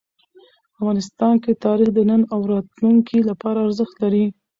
افغانستان کې تاریخ د نن او راتلونکي لپاره ارزښت لري.